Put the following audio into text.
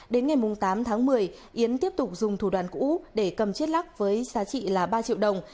đến ngày tám tháng một mươi yến tiếp tục dùng thủ đoàn cũ để cầm chiếc lắc với giá trị là ba triệu đồng